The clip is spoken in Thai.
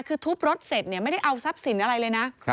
คือทุบรถเสร็จไม่ได้เอาทรัพย์สินอะไรเลยนะ